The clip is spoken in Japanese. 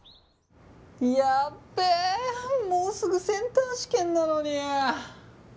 やべえもうすぐセンター試験なのに。